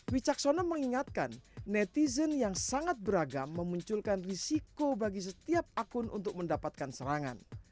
wicaksono mengingatkan netizen yang sangat beragam memunculkan risiko bagi setiap akun untuk mendapatkan serangan